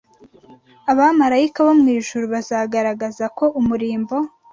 Abamarayika bo mu ijuru bazagaragaza ko umurimbo